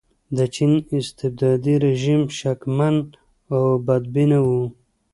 د چین استبدادي رژیم شکمن او بدبینه و.